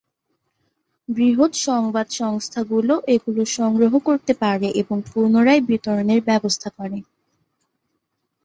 বৃহৎ সংবাদ সংস্থাগুলো এগুলো সংগ্রহ করতে পারে এবং পুনরায় বিতরণের ব্যবস্থা করে।